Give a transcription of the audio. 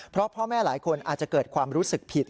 เพราะพ่อแม่หลายคนอาจจะเกิดความรู้สึกผิด